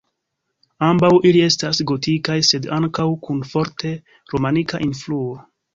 Ambaŭ ili estas gotikaj sed ankaŭ kun forte romanika influo.